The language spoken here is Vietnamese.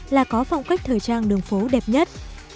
là có phong cách thời trang đường phố đẹp nhất